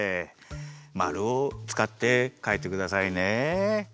まるをつかってかいてくださいね。